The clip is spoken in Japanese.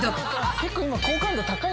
結構今。